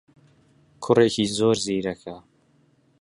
کوڕێکی زۆر زیرەکە.